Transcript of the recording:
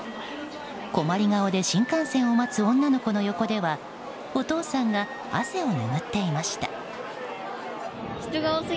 困り顔で新幹線を待つ女の子の横ではお父さんが汗をぬぐっていました。